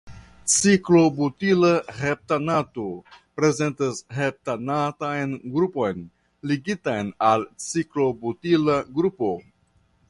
Ciklobutila heptanato prezentas heptanatan grupon ligitan al ciklobutila grupo.